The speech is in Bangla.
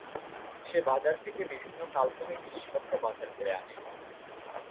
সে বাজার থেকে বিভিন্ন কাল্পনিক জিনিসপত্র বাজার করে আনে।